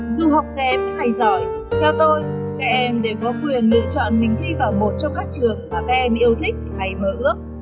dù học kém hay giỏi theo tôi các em đều có quyền lựa chọn mình thi vào một trong các trường mà các em yêu thích hay mơ ước